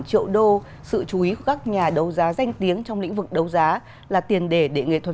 triệu đô sự chú ý của các nhà đấu giá danh tiếng trong lĩnh vực đấu giá là tiền để để nghệ thuật